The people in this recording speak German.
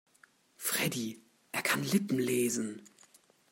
Freddie, er kann Lippen lesen.